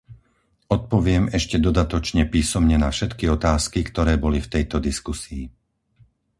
Odpoviem ešte dodatočne písomne na všetky otázky, ktoré boli v tejto diskusii.